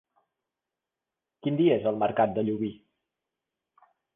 Quin dia és el mercat de Llubí?